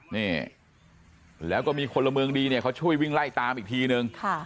นี่แล้วก็มีคนละเมืองดีเนี่ยเขาช่วยวิ่งไล่ตามอีกทีนึง